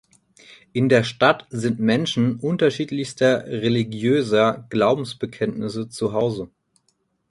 In der Stadt sind Menschen unterschiedlichster religiöser Glaubensbekenntnisse zu Hause.